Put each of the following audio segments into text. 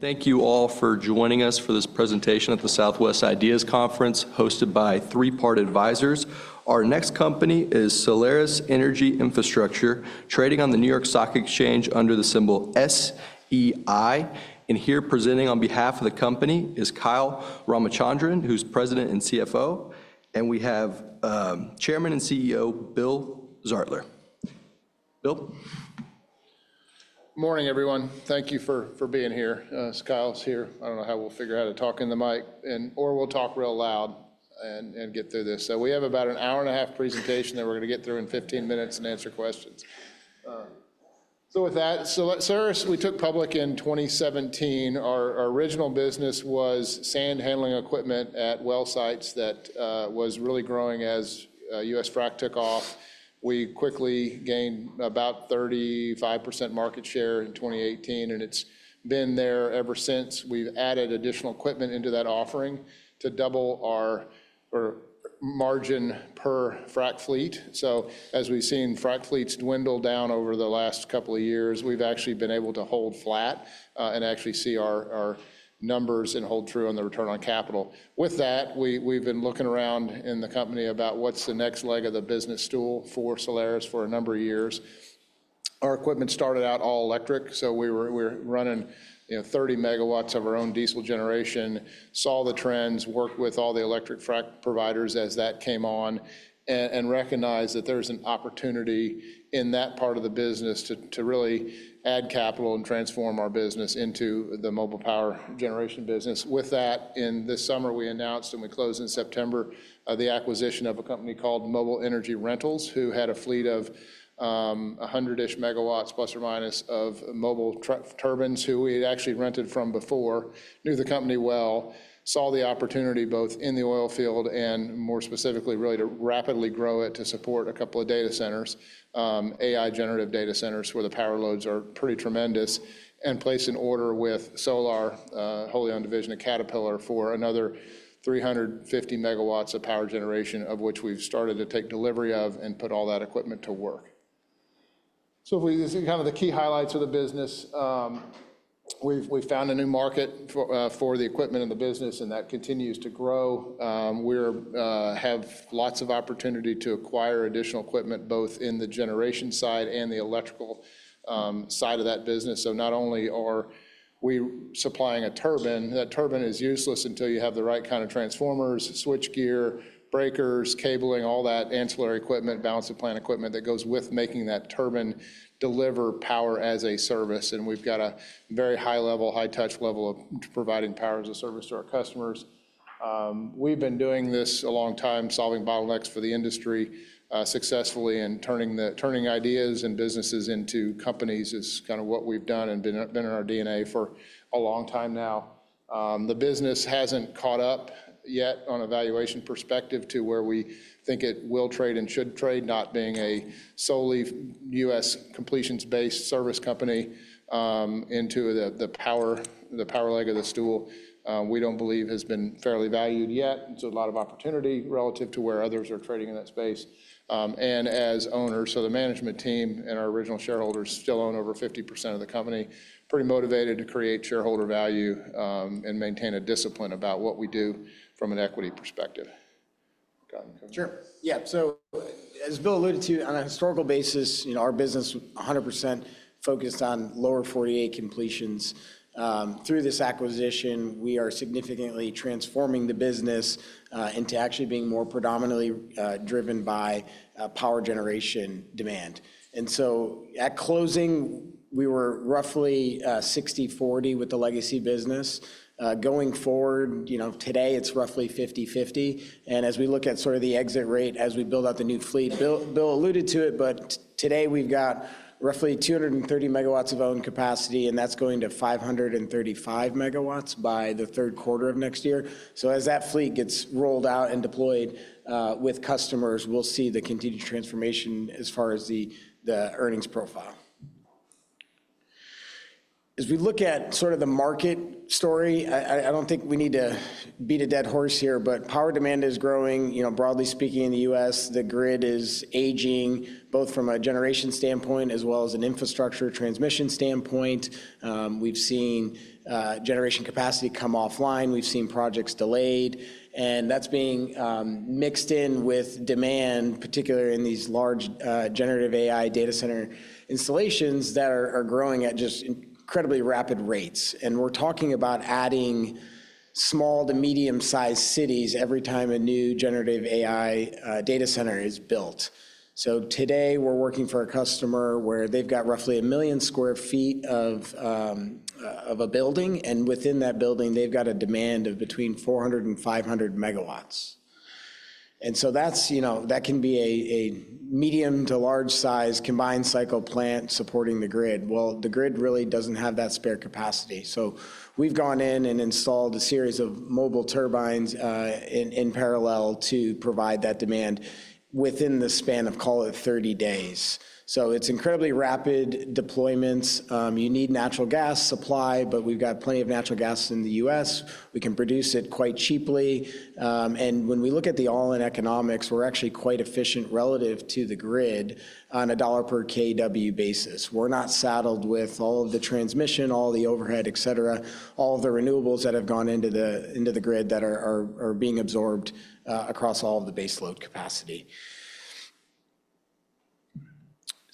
Thank you all for joining us for this presentation at the Southwest Ideas Conference hosted by Three Part Advisors. Our next company is Solaris Energy Infrastructure, trading on the New York Stock Exchange under the symbol SEI. And here presenting on behalf of the company is Kyle Ramachandran, who's President and CFO. And we have Chairman and CEO Bill Zartler. Bill? Good morning, everyone. Thank you for being here. Kyle's here. I don't know how we'll figure out how to talk in the mic or we'll talk real loud and get through this. So we have about an hour and a half presentation that we're going to get through in 15 minutes and answer questions. So with that, Solaris, we took public in 2017. Our original business was sand handling equipment at well sites that was really growing as U.S. frac took off. We quickly gained about 35% market share in 2018, and it's been there ever since. We've added additional equipment into that offering to double our margin per frac fleet. So as we've seen frac fleets dwindle down over the last couple of years, we've actually been able to hold flat and actually see our numbers and hold true on the return on capital. With that, we've been looking around in the company about what's the next leg of the business stool for Solaris for a number of years. Our equipment started out all electric, so we were running 30 MW of our own diesel generation, saw the trends, worked with all the electric frac providers as that came on, and recognized that there's an opportunity in that part of the business to really add capital and transform our business into the mobile power generation business. With that, in this summer, we announced and we closed in September the acquisition of a company called Mobile Energy Rentals, who had a fleet of 100-ish MW, plus or minus, of mobile turbines who we had actually rented from before, knew the company well, saw the opportunity both in the oil field and more specifically, really to rapidly grow it to support a couple of data centers, AI generative data centers where the power loads are pretty tremendous, and placed an order with Solar Turbines Division at Caterpillar for another 350 MW of power generation, of which we've started to take delivery of and put all that equipment to work, so kind of the key highlights of the business, we've found a new market for the equipment in the business, and that continues to grow. We have lots of opportunity to acquire additional equipment both in the generation side and the electrical side of that business. So not only are we supplying a turbine, that turbine is useless until you have the right kind of transformers, switchgear, breakers, cabling, all that ancillary equipment, balance of plant equipment that goes with making that turbine deliver power as a service, and we've got a very high level, high touch level of providing power as a service to our customers. We've been doing this a long time, solving bottlenecks for the industry successfully and turning ideas and businesses into companies is kind of what we've done and been in our DNA for a long time now. The business hasn't caught up yet on a valuation perspective to where we think it will trade and should trade, not being a solely U.S. completions-based service company into the power leg of the stool. We don't believe it has been fairly valued yet. And so a lot of opportunity relative to where others are trading in that space. And as owners, so the management team and our original shareholders still own over 50% of the company, pretty motivated to create shareholder value and maintain a discipline about what we do from an equity perspective. Sure. Yeah. So as Bill alluded to, on a historical basis, our business is 100% focused on Lower 48 completions. Through this acquisition, we are significantly transforming the business into actually being more predominantly driven by power generation demand. And so at closing, we were roughly 60/40 with the legacy business. Going forward, today it's roughly 50/50. And as we look at sort of the exit rate, as we build out the new fleet, Bill alluded to it, but today we've got roughly 230 MW of owned capacity, and that's going to 535 MW by the third quarter of next year. So as that fleet gets rolled out and deployed with customers, we'll see the continued transformation as far as the earnings profile. As we look at sort of the market story, I don't think we need to beat a dead horse here, but power demand is growing. Broadly speaking, in the U.S., the grid is aging both from a generation standpoint as well as an infrastructure transmission standpoint. We've seen generation capacity come offline. We've seen projects delayed, and that's being mixed in with demand, particularly in these large Generative AI data center installations that are growing at just incredibly rapid rates, and we're talking about adding small to medium-sized cities every time a new Generative AI data center is built, so today we're working for a customer where they've got roughly 1 million sq ft of a building, and within that building, they've got a demand of between 400-500 MW. And so that can be a medium to large-sized combined cycle plant supporting the grid, well, the grid really doesn't have that spare capacity. So we've gone in and installed a series of mobile turbines in parallel to provide that demand within the span of, call it, 30 days. So it's incredibly rapid deployments. You need natural gas supply, but we've got plenty of natural gas in the U.S. We can produce it quite cheaply. And when we look at the all-in economics, we're actually quite efficient relative to the grid on a $ per kW basis. We're not saddled with all of the transmission, all the overhead, et cetera, all of the renewables that have gone into the grid that are being absorbed across all of the base load capacity.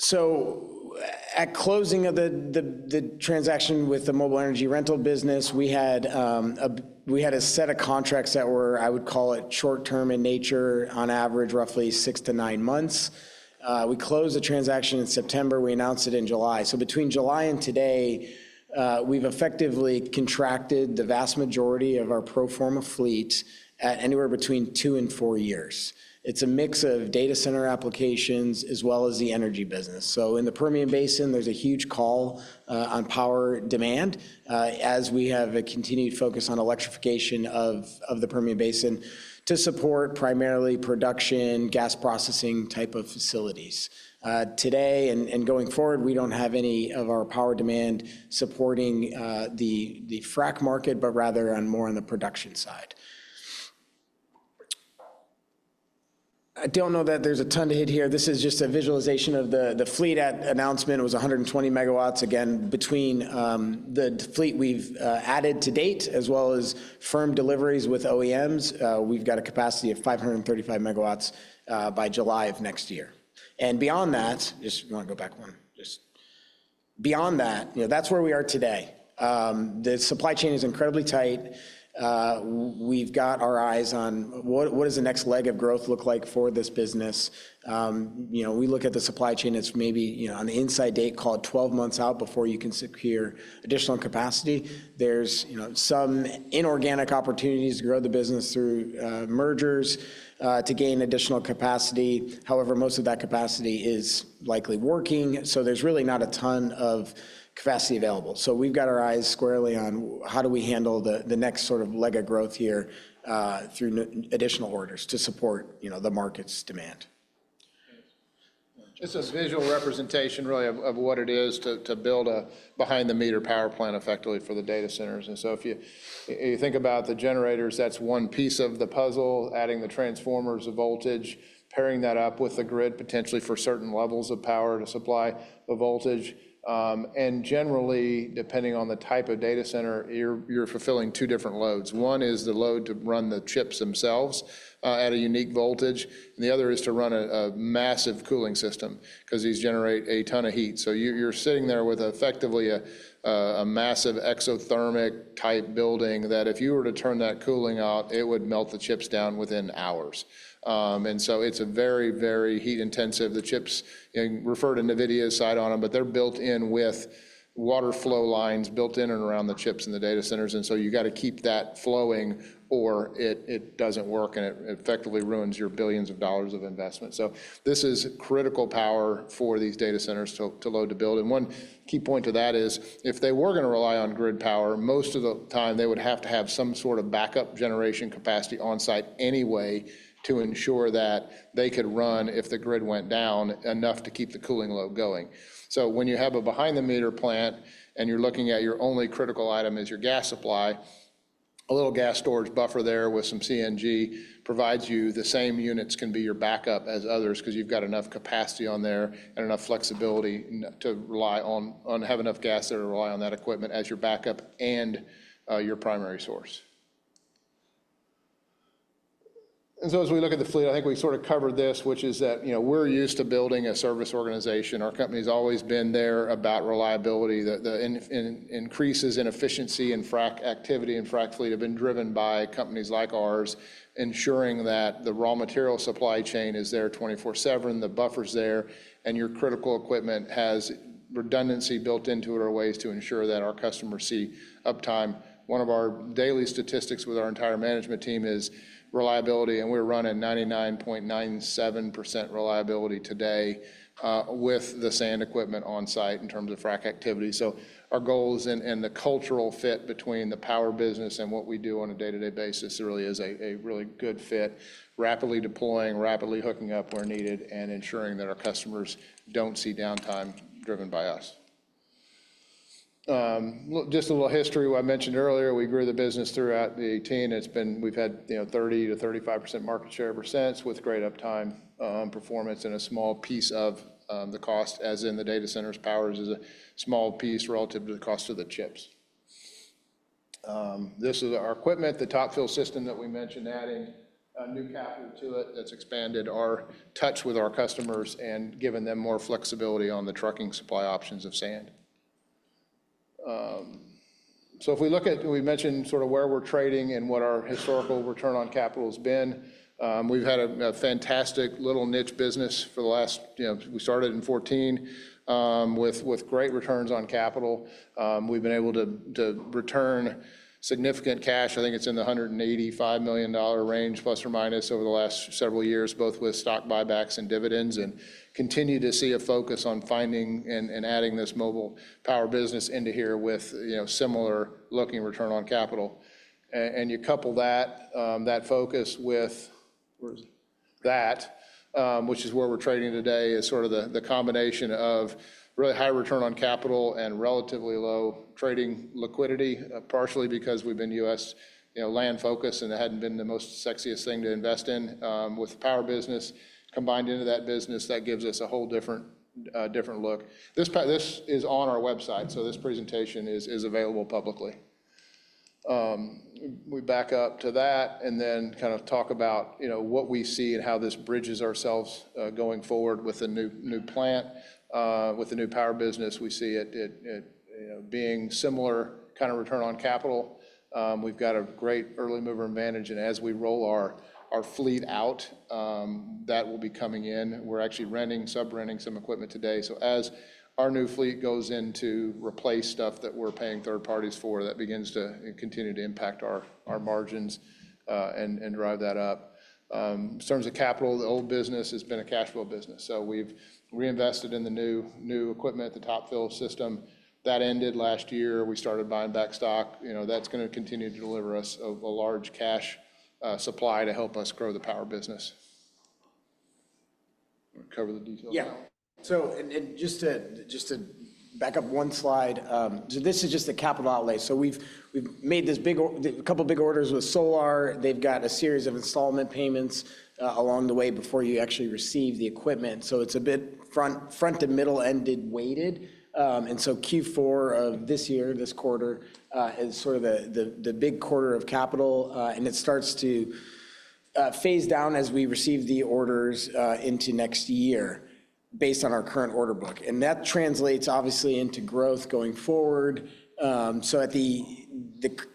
So at closing of the transaction with Mobile Energy Rentals business, we had a set of contracts that were, I would call it, short-term in nature, on average roughly six to nine months. We closed the transaction in September. We announced it in July. So between July and today, we've effectively contracted the vast majority of our pro forma fleet at anywhere between two and four years. It's a mix of data center applications as well as the energy business. So in the Permian Basin, there's a huge call on power demand as we have a continued focus on electrification of the Permian Basin to support primarily production, gas processing type of facilities. Today and going forward, we don't have any of our power demand supporting the frac market, but rather more on the production side. I don't know that there's a ton to hit here. This is just a visualization of the fleet at announcement. It was 120 MW. Again, between the fleet we've added to date as well as firm deliveries with OEMs, we've got a capacity of 535 MW by July of next year. And beyond that, just want to go back one. Just beyond that, that's where we are today. The supply chain is incredibly tight. We've got our eyes on what does the next leg of growth look like for this business. We look at the supply chain. It's maybe on the inside date called 12 months out before you can secure additional capacity. There's some inorganic opportunities to grow the business through mergers to gain additional capacity. However, most of that capacity is likely working. So there's really not a ton of capacity available. So we've got our eyes squarely on how do we handle the next sort of leg of growth here through additional orders to support the market's demand. This is a visual representation really of what it is to build a behind-the-meter power plant effectively for the data centers. And so if you think about the generators, that's one piece of the puzzle, adding the transformers of voltage, pairing that up with the grid potentially for certain levels of power to supply the voltage. And generally, depending on the type of data center, you're fulfilling two different loads. One is the load to run the chips themselves at a unique voltage. And the other is to run a massive cooling system because these generate a ton of heat. So you're sitting there with effectively a massive exothermic type building that if you were to turn that cooling out, it would melt the chips down within hours. And so it's very, very heat intensive. The chips refer to NVIDIA's name on them, but they're built in with water flow lines built in and around the chips and the data centers. And so you've got to keep that flowing or it doesn't work and it effectively ruins your billions of dollars of investment. So this is critical power for these data centers to load to build. And one key point to that is if they were going to rely on grid power, most of the time they would have to have some sort of backup generation capacity on site anyway to ensure that they could run if the grid went down enough to keep the cooling load going. So when you have a behind-the-meter plant and you're looking at your only critical item, your gas supply. A little gas storage buffer there with some CNG provides you the same units can be your backup as others because you've got enough capacity on there and enough flexibility to rely on. Have enough gas there to rely on that equipment as your backup and your primary source. And so as we look at the fleet, I think we sort of covered this, which is that we're used to building a service organization. Our company has always been there about reliability. The increases in efficiency and frac activity and frac fleet have been driven by companies like ours, ensuring that the raw material supply chain is there 24/7, the buffer's there, and your critical equipment has redundancy built into it or ways to ensure that our customers see uptime. One of our daily statistics with our entire management team is reliability, and we're running 99.97% reliability today with the sand equipment on site in terms of frac activity, so our goals and the cultural fit between the power business and what we do on a day-to-day basis really is a really good fit, rapidly deploying, rapidly hooking up where needed, and ensuring that our customers don't see downtime driven by us. Just a little history. I mentioned earlier, we grew the business throughout the team. We've had 30%-35% market share ever since with great uptime performance and a small piece of the cost, as in the data center's power is a small piece relative to the cost of the chips. This is our equipment, the Top Fill system that we mentioned adding new capital to it that's expanded our touch with our customers and given them more flexibility on the trucking supply options of sand. So if we look at, we mentioned sort of where we're trading and what our historical return on capital has been. We've had a fantastic little niche business for the last, we started in 2014 with great returns on capital. We've been able to return significant cash. I think it's in the $185+ million range plus or minus over the last several years, both with stock buybacks and dividends and continue to see a focus on finding and adding this mobile power business into here with similar looking return on capital. And you couple that focus with that, which is where we're trading today, is sort of the combination of really high return on capital and relatively low trading liquidity, partially because we've been U.S. land focused and it hadn't been the most sexiest thing to invest in with power business combined into that business that gives us a whole different look. This is on our website, so this presentation is available publicly. We back up to that and then kind of talk about what we see and how this bridges ourselves going forward with the new plant, with the new power business. We see it being similar kind of return on capital. We've got a great early mover advantage. And as we roll our fleet out, that will be coming in. We're actually sub-renting some equipment today. So as our new fleet goes in to replace stuff that we're paying third parties for, that begins to continue to impact our margins and drive that up. In terms of capital, the old business has been a cash flow business. So we've reinvested in the new equipment, the Top Fill system. That ended last year. We started buying back stock. That's going to continue to deliver us a large cash supply to help us grow the power business. Cover the details. Yeah. So just to back up one slide, so this is just the capital outlay. So we've made this big couple of big orders with solar. They've got a series of installment payments along the way before you actually receive the equipment. So it's a bit front and middle- ended weighted. And so Q4 of this year, this quarter is sort of the big quarter of capital. And it starts to phase down as we receive the orders into next year based on our current order book. And that translates obviously into growth going forward. So at the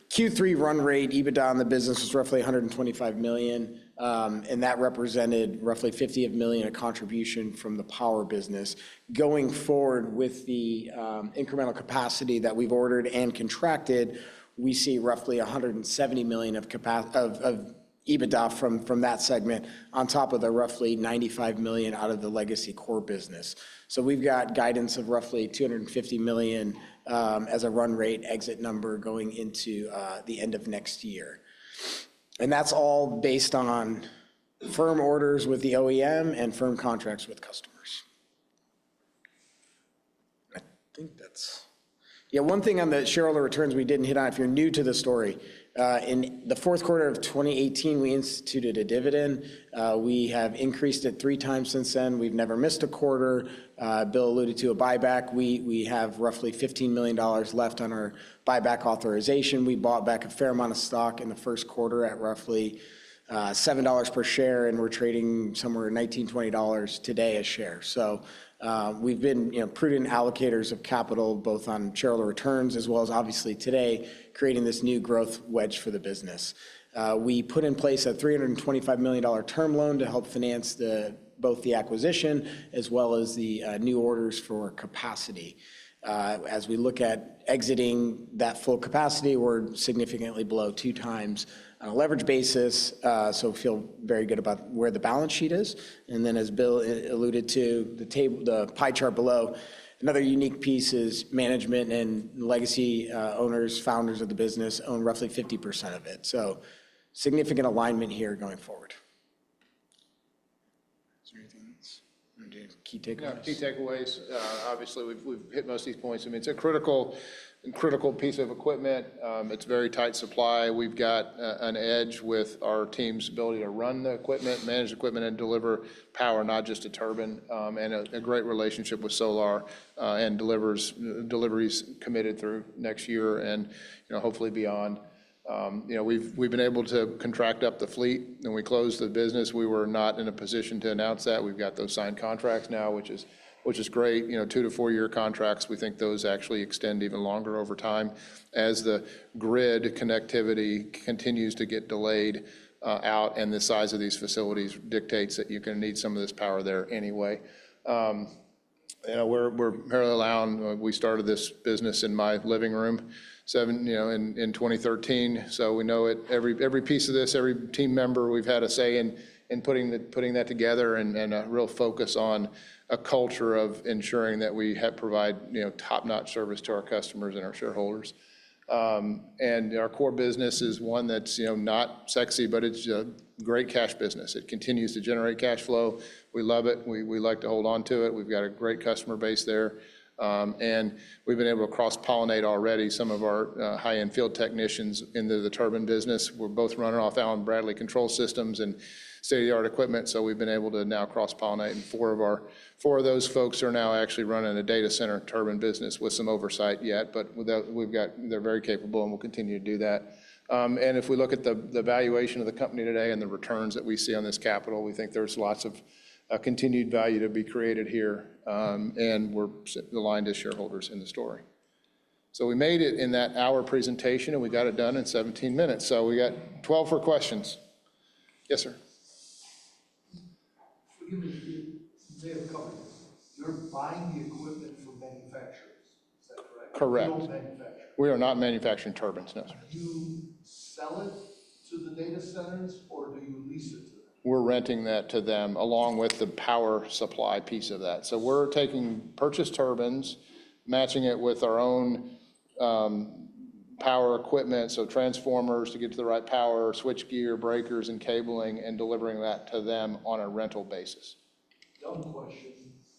Q3 run rate, EBITDA on the business was roughly $125 million. And that represented roughly $50 million of contribution from the power business. Going forward with the incremental capacity that we've ordered and contracted, we see roughly $170 million of EBITDA from that segment on top of the roughly $95 million out of the legacy core business, so we've got guidance of roughly $250 million as a run rate exit number going into the end of next year, and that's all based on firm orders with the OEM and firm contracts with customers. I think that's, yeah, one thing on the shareholder returns we didn't hit on, if you're new to the story. In the fourth quarter of 2018, we instituted a dividend. We have increased it three times since then. We've never missed a quarter. Bill alluded to a buyback. We have roughly $15 million left on our buyback authorization. We bought back a fair amount of stock in the first quarter at roughly $7 per share. And we're trading somewhere at $19-$20 today a share. So we've been prudent allocators of capital both on shareholder returns as well as obviously today creating this new growth wedge for the business. We put in place a $325 million term loan to help finance both the acquisition as well as the new orders for capacity. As we look at exiting that full capacity, we're significantly below two times on a leverage basis. So we feel very good about where the balance sheet is. And then as Bill alluded to the pie chart below, another unique piece is management and legacy owners, founders of the business own roughly 50% of it. So significant alignment here going forward. Key takeaways. Key takeaways. Obviously, we've hit most of these points. I mean, it's a critical piece of equipment. It's very tight supply. We've got an edge with our team's ability to run the equipment, manage equipment, and deliver power, not just a turbine, and a great relationship with Solar and deliveries committed through next year and hopefully beyond. We've been able to contract up the fleet. When we closed the business, we were not in a position to announce that. We've got those signed contracts now, which is great. Two-to-four-year contracts, we think those actually extend even longer over time as the grid connectivity continues to get delayed out and the size of these facilities dictates that you're going to need some of this power there anyway. We're all in. We started this business in my living room in 2013. We know every piece of this, every team member. We've had a say in putting that together and a real focus on a culture of ensuring that we provide top-notch service to our customers and our shareholders. Our core business is one that's not sexy, but it's a great cash business. It continues to generate cash flow. We love it. We like to hold on to it. We've got a great customer base there. We've been able to cross-pollinate already some of our high-end field technicians into the turbine business. We're both running off Allen-Bradley control systems and state-of-the-art equipment. We've been able to now cross-pollinate. Four of those folks are now actually running a data center turbine business with some oversight yet. But we've got, they're very capable and we'll continue to do that. And if we look at the valuation of the company today and the returns that we see on this capital, we think there's lots of continued value to be created here. And we're aligned to shareholders in the story. So we made it in that one-hour presentation and we got it done in 17 minutes. So we got 12 for questions. Yes, sir. You're buying the equipment from manufacturers. Is that correct? Correct. You don't manufacture. We are not manufacturing turbines. No, sir. Do you sell it to the data centers or do you lease it to them? We're renting that to them along with the power supply piece of that so we're taking purchased turbines, matching it with our own power equipment, so transformers to get to the right power, switchgear, breakers, and cabling, and delivering that to them on a rental basis. Dumb question.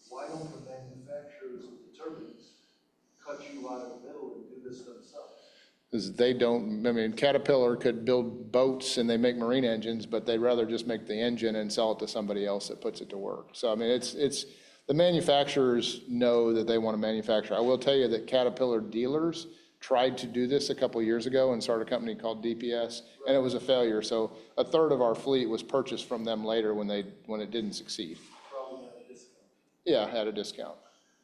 Why don't the manufacturers of the turbines cut you out of the middle and do this themselves? Because they don't, I mean, Caterpillar could build boats and they make marine engines, but they'd rather just make the engine and sell it to somebody else that puts it to work. So I mean, the manufacturers know that they want to manufacture. I will tell you that Caterpillar dealers tried to do this a couple of years ago and started a company called DPS, and it was a failure. So a third of our fleet was purchased from them later when it didn't succeed. Probably had a discount. Yeah, had a discount.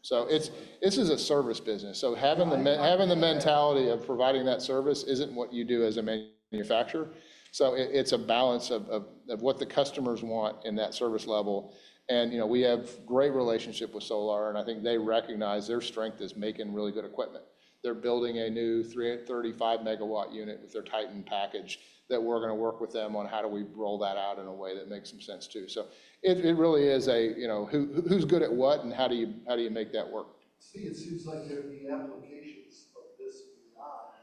So this is a service business. So having the mentality of providing that service isn't what you do as a manufacturer. So it's a balance of what the customers want in that service level. And we have a great relationship with Solar, and I think they recognize their strength is making really good equipment. They're building a new 35 MW unit with their Titan package that we're going to work with them on how do we roll that out in a way that makes some sense too. So it really is a who's good at what and how do you make that work? See, it seems like the applications of this beyond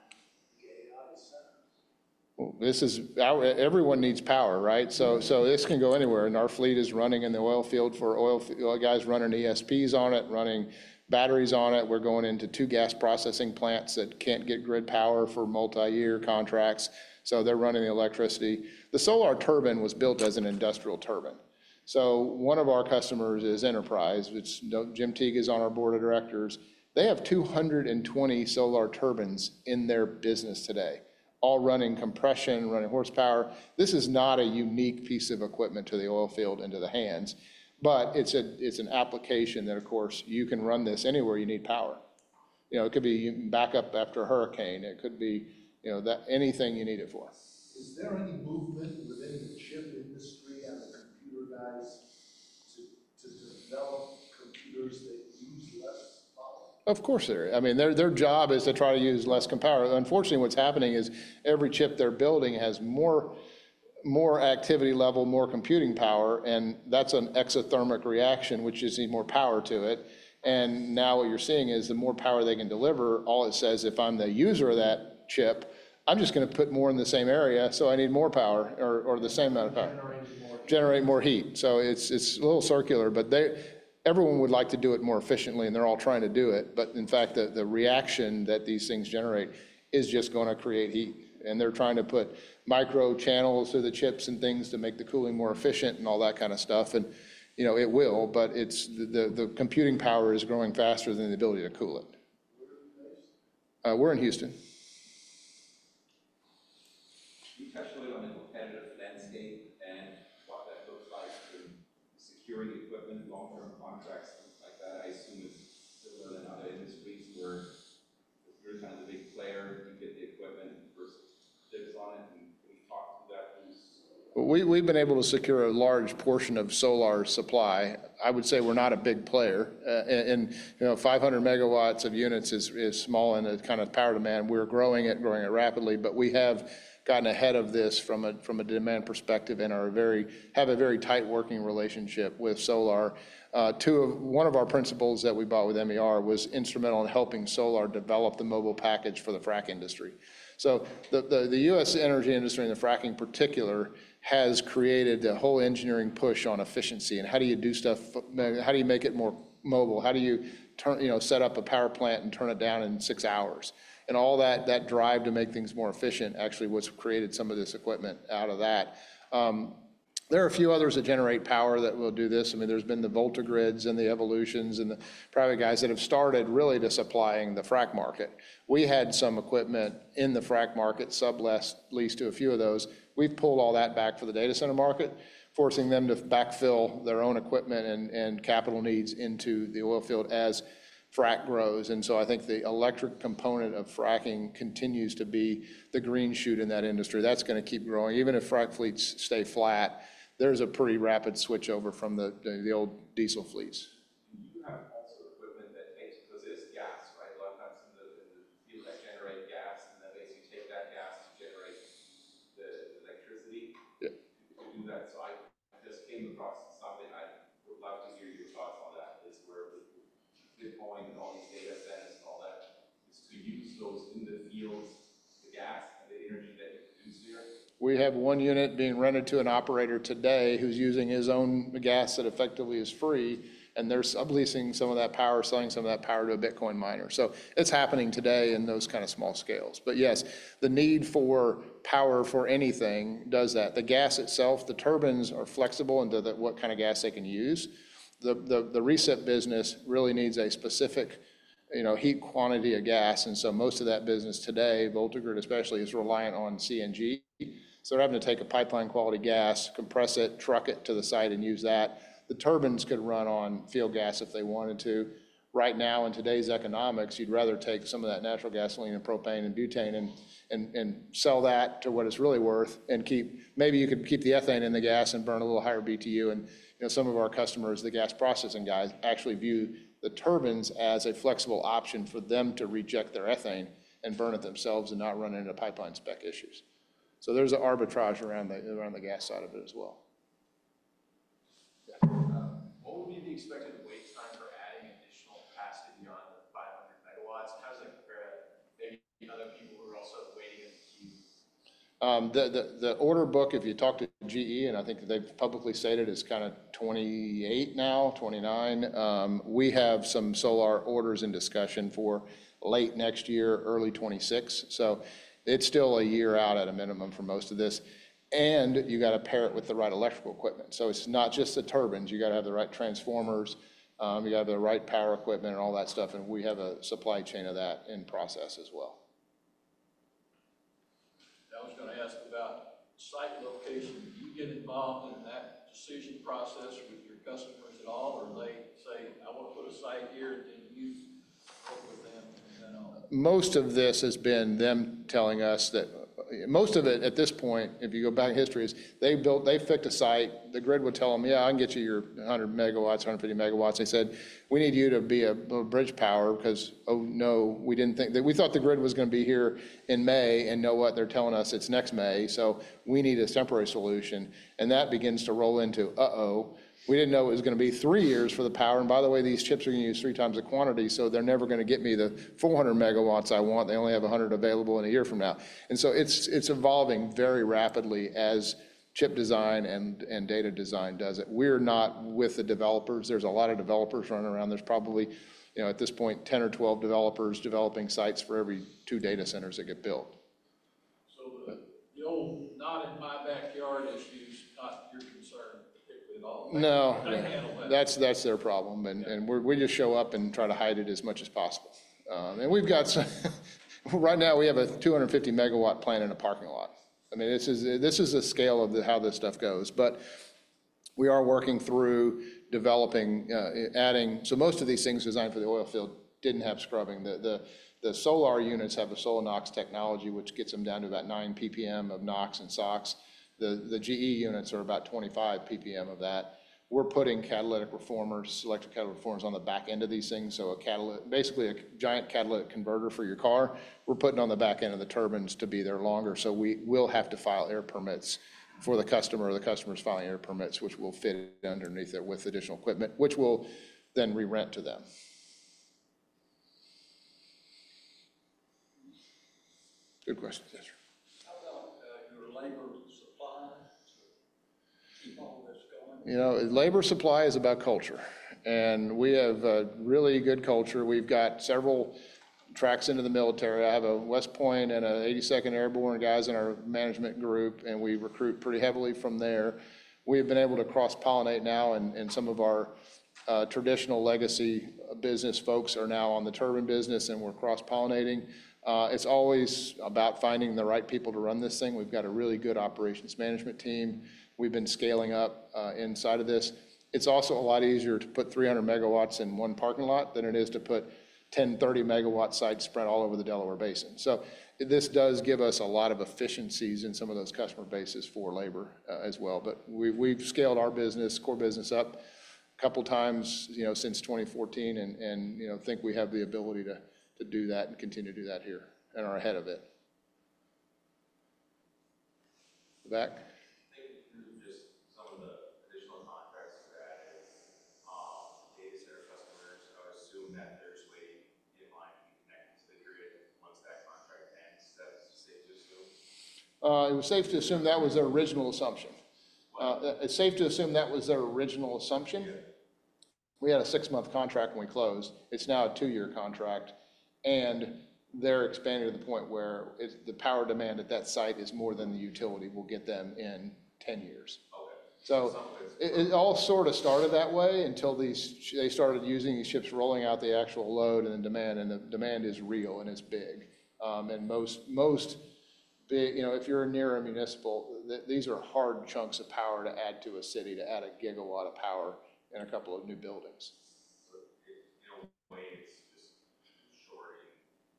the AI centers? Everyone needs power, right, so this can go anywhere and our fleet is running in the oil field for oil guys running ESPs on it, running batteries on it. We're going into two gas processing plants that can't get grid power for multi-year contracts, so they're running the electricity. The Solar turbine was built as an industrial turbine, so one of our customers is Enterprise, which Jim Teague is on our board of directors. They have 220 Solar Turbines in their business today, all running compression, running horsepower. This is not a unique piece of equipment to the oil field in the hands, but it's an application that, of course, you can run this anywhere you need power. It could be backup after a hurricane. It could be anything you need it for. Is there any movement within the chip industry out of computer guys to develop computers that use less power? Of course there is. I mean, their job is to try to use less compound. Unfortunately, what's happening is every chip they're building has more activity level, more computing power, and that's an exothermic reaction, which just needs more power to it. And now what you're seeing is the more power they can deliver, all it says, if I'm the user of that chip, I'm just going to put more in the same area, so I need more power or the same amount of power. Generate more heat. So it's a little circular, but everyone would like to do it more efficiently, and they're all trying to do it. But in fact, the reaction that these things generate is just going to create heat. And they're trying to put micro channels through the chips and things to make the cooling more efficient and all that kind of stuff. And it will, but the computing power is growing faster than the ability to cool it. Where are you based? We're in Houston. You touched a little bit on the competitive landscape and what that looks like in securing equipment, long-term contracts, things like that. I assume it's similar in other industries where you're kind of the big player. You get the equipment versus chips on it. Can you talk to that? We've been able to secure a large portion of Solar supply. I would say we're not a big player. And 500 MW of units is small in the kind of power demand. We're growing it, growing it rapidly, but we have gotten ahead of this from a demand perspective and have a very tight working relationship with Solar. One of our principals that we bought with MER was instrumental in helping Solar develop the mobile package for the frac industry. So the U.S. energy industry and the frac in particular has created a whole engineering push on efficiency. And how do you do stuff? How do you make it more mobile? How do you set up a power plant and turn it down in six hours? And all that drive to make things more efficient actually was created some of this equipment out of that. There are a few others that generate power that will do this. I mean, there's been the VoltaGrid and the Evolution and the private guys that have started really to supplying the frac market. We had some equipment in the frac market sub-leased to a few of those. We've pulled all that back for the data center market, forcing them to backfill their own equipment and capital needs into the oil field as frac grows, and so I think the electric component of fracking continues to be the green shoot in that industry. That's going to keep growing. Even if frac fleets stay flat, there's a pretty rapid switch over from the old diesel fleets. Do you have also equipment that takes because it's gas, right? A lot of times in the field, they generate gas and then basically take that gas to generate the electricity. Yeah. To do that. So I just came across something I would love to hear your thoughts on, that is, where we're deploying all these data centers and all that is to use those in the fields, the gas and the energy that you produce there. We have one unit being rented to an operator today who's using his own gas that effectively is free, and they're sub-leasing some of that power, selling some of that power to a Bitcoin miner, so it's happening today in those kind of small scales. But yes, the need for power for anything does that. The gas itself, the turbines are flexible into what kind of gas they can use. The rental business really needs a specific heat quantity of gas, and so most of that business today, VoltaGrid especially, is reliant on CNG, so they're having to take a pipeline quality gas, compress it, truck it to the site and use that. The turbines could run on field gas if they wanted to. Right now, in today's economics, you'd rather take some of that natural gasoline and propane and butane and sell that to what it's really worth and keep maybe you could keep the ethane in the gas and burn a little higher BTU, and some of our customers, the gas processing guys, actually view the turbines as a flexible option for them to reject their ethane and burn it themselves and not run into pipeline spec issues, so there's an arbitrage around the gas side of it as well. Yeah. What would be the expected wait time for adding additional capacity beyond the 500 MW? How does that compare to maybe other people who are also waiting in the queue? The order book, if you talk to GE, and I think they've publicly stated it's kind of 28 now, 29. We have some solar orders in discussion for late next year, early 2026. So it's still a year out at a minimum for most of this. And you got to pair it with the right electrical equipment. So it's not just the turbines. You got to have the right transformers. You got to have the right power equipment and all that stuff. And we have a supply chain of that in process as well. I was going to ask about site location. Do you get involved in that decision process with your customers at all? Or they say, "I want to put a site here," and then you work with them and then all? Most of this has been them telling us that most of it at this point, if you go back in history, they picked a site. The grid would tell them, "Yeah, I'll get you your 100 MW, 150 MW." They said, "We need you to be a bridge power because, oh no, we didn't think. We thought the grid was going to be here in May. And you know what? They're telling us it's next May. So we need a temporary solution." And that begins to roll into, "Uh-oh. We didn't know it was going to be three years for the power. And by the way, these chips are going to use three times the quantity. So they're never going to get me the 400 MW I want. They only have 100 available in a year from now," and so it's evolving very rapidly as chip design and data design does it. We're not with the developers. There's a lot of developers running around. There's probably at this point 10 or 12 developers developing sites for every two data centers that get built. The old not in my backyard issue is not your concern particularly at all. No. That's their problem, and we just show up and try to hide it as much as possible, and we've got some right now. We have a 250 MW plant in a parking lot. I mean, this is a scale of how this stuff goes, but we are working through developing, adding. So most of these things designed for the oil field didn't have scrubbing. The solar units have a SoLoNOx technology, which gets them down to about 9 ppm of NOx and SOx. The GE units are about 25 ppm of that. We're putting catalytic reformers, electric catalytic reformers on the back end of these things. So basically a giant catalytic converter for your car. We're putting it on the back end of the turbines to be there longer. So we will have to file air permits for the customer or the customer's filing air permits, which will fit underneath it with additional equipment, which we'll then re-rent to them. Good question. How about your labor supply? Keep all this going. Labor supply is about culture, and we have really good culture. We've got several tracks into the military. I have a West Point and an 82nd Airborne guys in our management group, and we recruit pretty heavily from there. We have been able to cross-pollinate now, and some of our traditional legacy business folks are now on the turbine business, and we're cross-pollinating. It's always about finding the right people to run this thing. We've got a really good operations management team. We've been scaling up inside of this. It's also a lot easier to put 300 MW in one parking lot than it is to put 10 MW-30 MW sites spread all over the Delaware Basin, so this does give us a lot of efficiencies in some of those customer bases for labor as well. But we've scaled our business, core business up a couple of times since 2014 and think we have the ability to do that and continue to do that here and are ahead of it. Back. Thinking through just some of the additional contracts you've added, data center customers, I would assume that they're waiting in line to be connected to the grid once that contract ends. That's safe to assume? It was safe to assume that was their original assumption. It's safe to assume that was their original assumption. We had a six-month contract when we closed. It's now a two-year contract, and they're expanding to the point where the power demand at that site is more than the utility will get them in 10 years, so it all sort of started that way until they started using these chips, rolling out the actual load and the demand. And the demand is real and it's big, and most big, if you're near a municipal, these are hard chunks of power to add to a city to add a gigawatt of power in a couple of new buildings. So in a way, it's just ensuring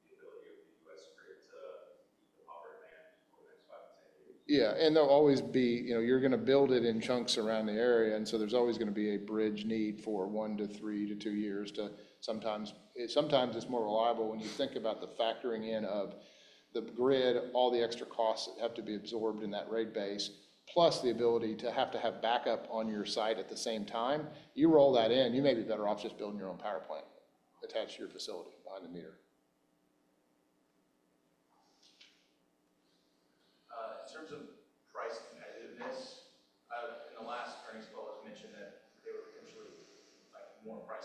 the ability of the U.S. grid to keep the proper demand for the next five to 10 years. Yeah. And there'll always be you're going to build it in chunks around the area. And so there's always going to be a bridge need for one to three to two years to sometimes it's more reliable when you think about the factoring in of the grid, all the extra costs that have to be absorbed in that rate base, plus the ability to have to have backup on your site at the same time. You roll that in, you may be better off just building your own power plant attached to your facility behind the meter. In terms of price competitiveness, in the last earnings call, I mentioned that they were potentially more price competitive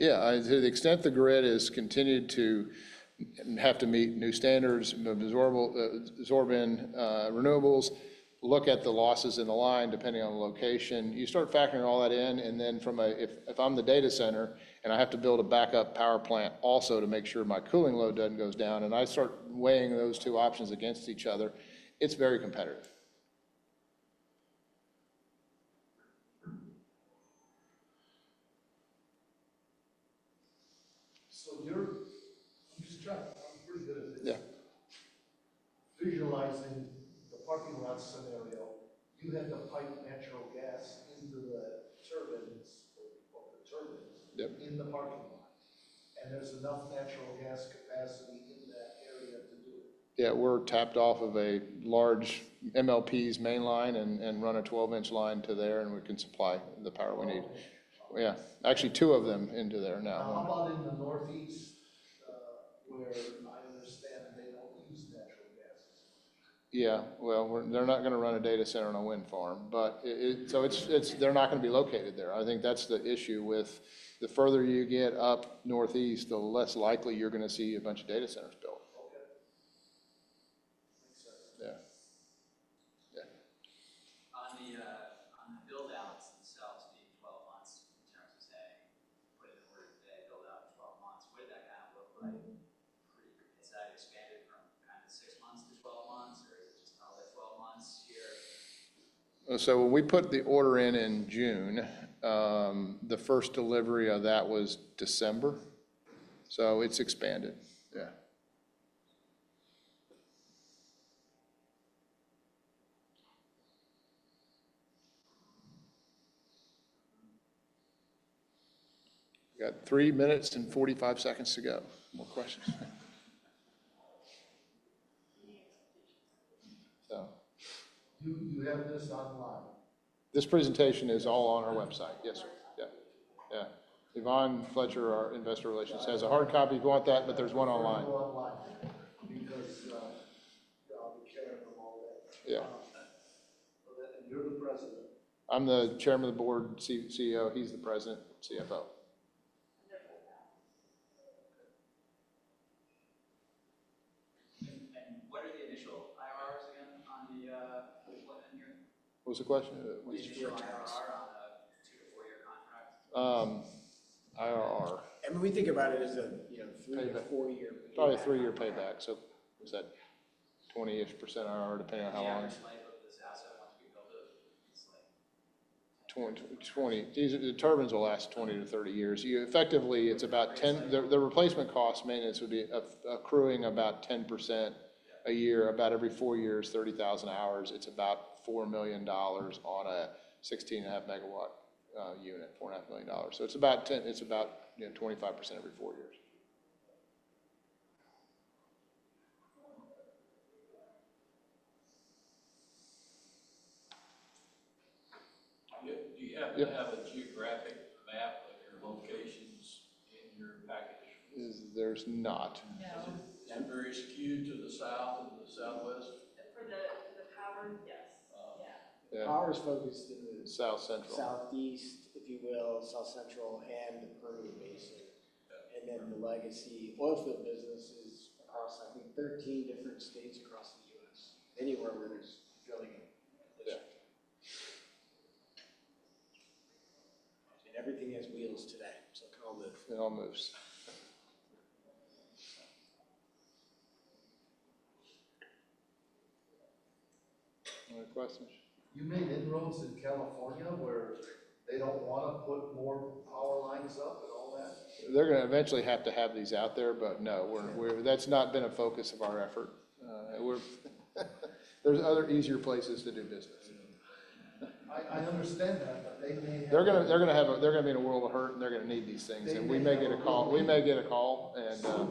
than the grid. And so I was just wondering, is that foreseeable that that could continue going forward? Yeah. To the extent the grid has continued to have to meet new standards, absorbing renewables. Look at the losses in the line depending on the location. You start factoring all that in. And then from a, if I'm the data center and I have to build a backup power plant also to make sure my cooling load doesn't go down, and I start weighing those two options against each other, it's very competitive. So, you're just trying to. I'm pretty good at this. Yeah. Visualizing the parking lot scenario, you had to pipe natural gas into the turbines, or you call them turbines, in the parking lot, and there's enough natural gas capacity in that area to do it. Yeah. We're tapped off of a large MLP's main line and run a 12-inch line to there, and we can supply the power we need. Yeah. Actually, two of them into there now. How about in the Northeast where I understand they don't use natural gas? Yeah. They're not going to run a data center on a wind farm. But so they're not going to be located there. I think that's the issue with the further you get up Northeast, the less likely you're going to see a bunch of data centers built. Okay. Yeah. Yeah. On the buildouts themselves being 12 months in terms of say, put an order today, build out in 12 months, what did that kind of look like? Is that expanded from kind of six months to 12 months, or is it just probably 12 months here? So we put the order in in June. The first delivery of that was December. So it's expanded. Yeah. We got three minutes and 45 seconds to go. More questions? Do you have this online? This presentation is all on our website. Yes, sir. Yeah. Yeah. Yvonne Fletcher, our investor relations, has a hard copy if you want that, but there's one online. One online because I'll be carrying them all day. Yeah. You're the president? I'm the Chairman of the board, CEO. He's the President, CFO. What are the initial IRRs again on the what end here? What was the question? Initial IRR on a two- to four-year contract? IRR. We think about it as a three- to four-year. Probably a three-year payback, so it's that 20-ish% IRR depending on how long. The life of this asset once we build it? The turbines will last 20-30 years. Effectively, it's about 10% the replacement cost. Maintenance would be accruing about 10% a year. About every four years, 30,000 hours, it's about $4 million on a 16.5 MW unit, $4.5 million. So it's about 10%, it's about 25% every four years. Do you happen to have a geographic map of your locations in your package? There's not. Is it temporary skewed to the south and the southwest? For the power, yes. Yeah. Power is focused in the south-central. Southeast, if you will, south-central, and the Permian Basin, and then the legacy oil field business is across, I think, 13 different states across the U.S., anywhere where there's drilling in. Yeah. And everything has wheels today, so it kind of moves. It all moves. Any questions? You made inroads in California where they don't want to put more power lines up and all that? They're going to eventually have to have these out there, but no, that's not been a focus of our effort. There's other easier places to do business. I understand that, but they may have. They're going to be in a world of hurt, and they're going to need these things. And we may get a call. We may get a call. And yeah.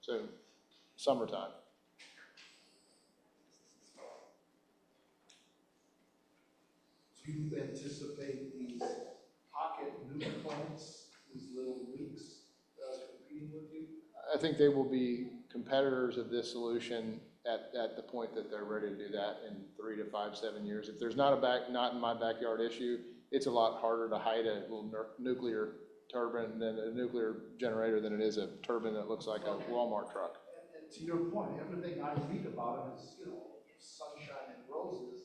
So summertime. Do you anticipate these pocket nuclear plants, these little leaks, competing with you? I think they will be competitors of this solution at the point that they're ready to do that in three to five, seven years. If there's not a not in my backyard issue, it's a lot harder to hide a little nuclear turbine than a nuclear generator than it is a turbine that looks like a Walmart truck. And to your point, everything I read about it is sunshine and roses,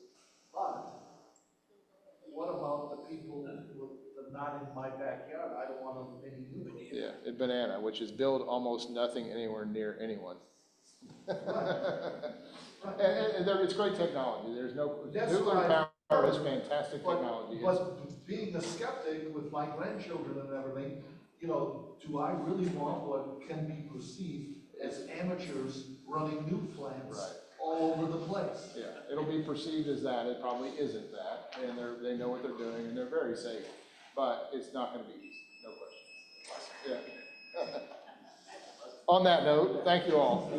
but what about the people who are not in my backyard? I don't want to make a new one. Yeah. BANANA, which is build almost nothing anywhere near anyone. And it's great technology. There's no nuclear power. It's fantastic technology. But being a skeptic with my grandchildren and everything, do I really want what can be perceived as amateurs running nuclear plants all over the place? Yeah. It'll be perceived as that. It probably isn't that. And they know what they're doing, and they're very safe. But it's not going to be easy. No questions. Awesome. Yeah. On that note, thank you all.